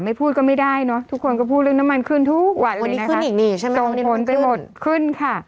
ทุกคนก็พูดเรื่องน้ำมันขึ้นทุกวันเลยนะคะต้นไปหมดขึ้นค่ะ